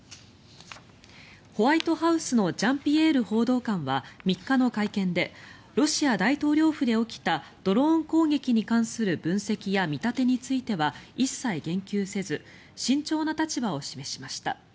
ホワイトハウスのジャンピエール報道官は３日の会見でロシア大統領府で起きたドローン攻撃に関する分析や見立てについては一切言及せず慎重な立場を示しました。